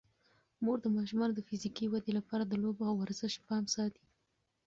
مور د ماشومانو د فزیکي ودې لپاره د لوبو او ورزش پام ساتي.